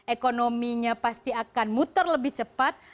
ekonominya pasti akan muter lebih cepat